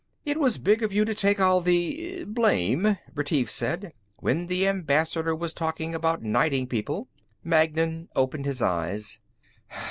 "It was big of you to take all the ... blame," Retief said, "when the Ambassador was talking about knighting people." Magnan opened his eyes.